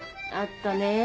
あったね